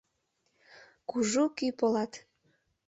Кужу кӱ полат.